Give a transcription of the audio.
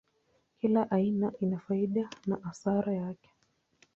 Kila aina ina faida na hasara yake.